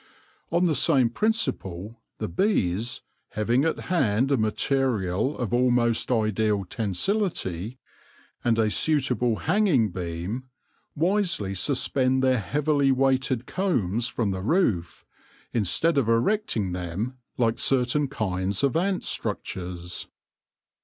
On the same principle the bees, having at hand a material of almost ideal tensility, and a suitable hanging beam, wisely suspend their heavily weighted combs from the roof, instead of erecting them, like certain kinds of ant structures.